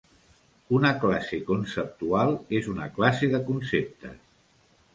Una classe conceptual és una classe de conceptes.